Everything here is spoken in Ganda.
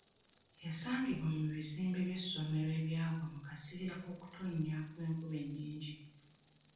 Yasangibwa mu bizimbe by'essomero ebyagwa mu kaseera k'okuktoonya kw'enkuba ennyingi.